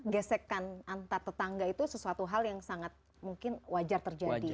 gesekan antar tetangga itu sesuatu hal yang sangat mungkin wajar terjadi